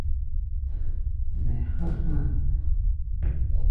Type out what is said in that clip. Mɛ há̧ há̧ a̧.